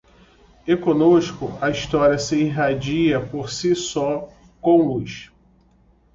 E conosco a história se irradia por si só com luz